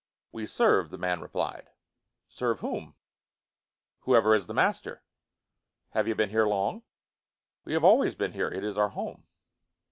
"We serve," the man replied. "Serve whom?" "Whoever is the master." "Have you been here long?" "We have always been here. It is our home."